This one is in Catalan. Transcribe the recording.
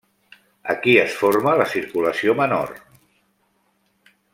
Aquí es forma la circulació menor.